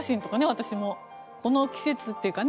私もこの季節っていうかね